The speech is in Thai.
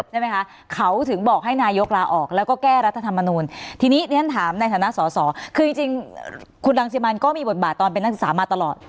ใช่ไหมคะเขาถึงบอกให้นายกลาออกแล้วก็แก้รัฐธรรมนูลทีนี้เรียนถามในฐานะสอสอคือจริงคุณรังสิมันก็มีบทบาทตอนเป็นนักศึกษามาตลอด